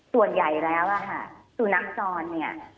ส่วนใหญ่แล้วค่ะสุนัขจรเนี่ย